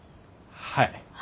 はい。